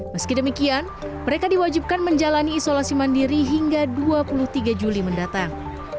meski demikian mereka diwajibkan menjalani isolasi mandiri hingga dua puluh tiga juli mendatang